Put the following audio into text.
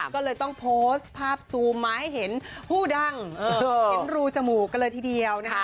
ก็เลยต้องโพสต์ภาพซูมมาให้เห็นผู้ดังเห็นรูจมูกกันเลยทีเดียวนะคะ